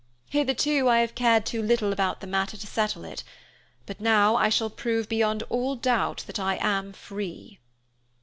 Hitherto I have cared too little about the matter to settle it, but now I shall prove beyond all doubt that I am free."